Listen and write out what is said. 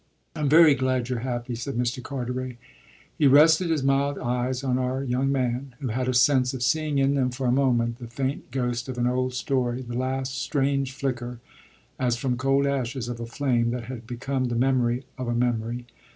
"I'm very glad you're happy," said Mr. Carteret. He rested his mild eyes on our young man, who had a sense of seeing in them for a moment the faint ghost of an old story, the last strange flicker, as from cold ashes, of a flame that had become the memory of a memory.